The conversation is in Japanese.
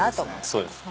そうです。